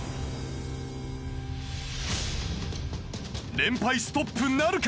連敗ストップなるか？